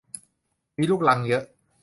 มีลูกรังเยอะ